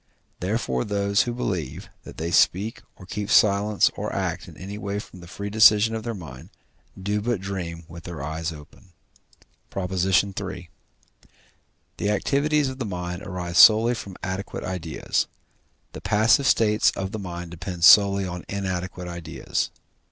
Therefore those who believe, that they speak or keep silence or act in any way from the free decision of their mind, do but dream with their eyes open. PROP. III. The activities of the mind arise solely from adequate ideas; the passive states of the mind depend solely on inadequate ideas.